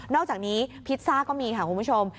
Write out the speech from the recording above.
อกจากนี้พิซซ่าก็มีค่ะคุณผู้ชม